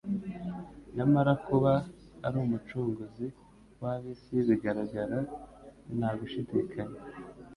nyamara kuba ari Umucunguzi w'ab'isi bigaragara nta gushidikanya